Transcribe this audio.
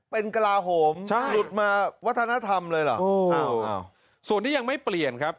เป็นกระลาโหมหลุดมาวัฒนธรรมเลยเหรอส่วนที่ยังไม่เปลี่ยนครับ